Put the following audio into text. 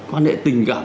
quan hệ tình cảm